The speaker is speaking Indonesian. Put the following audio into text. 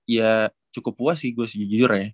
ya cukup puas sih gue sejujurnya